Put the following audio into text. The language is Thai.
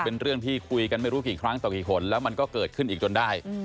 เป็นเรื่องที่คุยกันไม่รู้กี่ครั้งต่อกี่คนแล้วมันก็เกิดขึ้นอีกจนได้